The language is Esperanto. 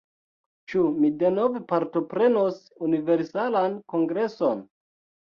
Ĉu mi denove partoprenos Universalan Kongreson?